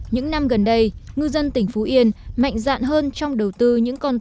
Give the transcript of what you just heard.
những năm gần đây ngư dân tỉnh phú yên mạnh dạn hơn trong đầu tư những con tàu